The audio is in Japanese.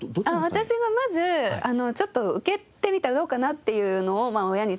私がまずちょっと受けてみたらどうかなっていうのを親に相談して。